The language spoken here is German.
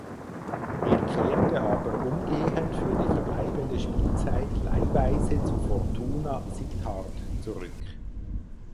Er kehrte aber umgehend für die verbleibende Spielzeit leihweise zu Fortuna Sittard zurück.